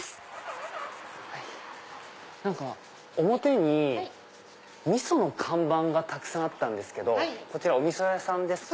表に味噌の看板がたくさんあったんですけどこちらお味噌屋さんですか？